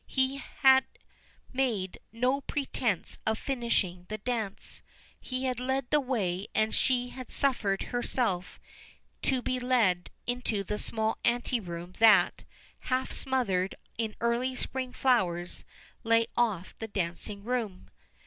He had made no pretence of finishing the dance. He had led the way and she had suffered herself to be led into the small anteroom that, half smothered in early spring flowers, lay off the dancing room.